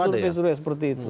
ada surpei surpei seperti itu